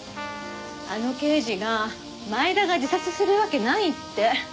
あの刑事が前田が自殺するわけないって。